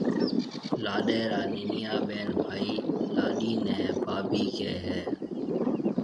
لاڏيَ را ننَيان ٻين ڀائي لاڏيِ نَي ڀاڀِي ڪهيَ هيَ۔